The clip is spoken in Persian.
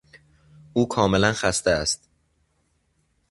او کاملا خسته است.